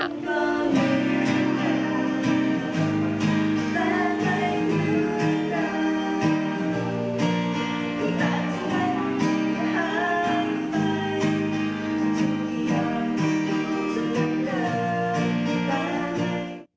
มีความสุขเหมือนเดิมไป